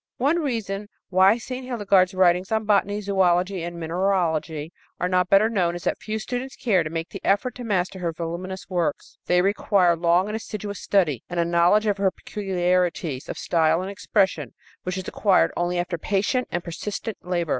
One reason why St. Hildegard's writings on botany, zoölogy and mineralogy are not better known is that few students care to make the effort to master her voluminous works. They require long and assiduous study and a knowledge of her peculiarities of style and expression which is acquired only after patient and persistent labor.